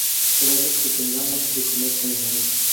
Gracias que tengamos que comer con los amigos.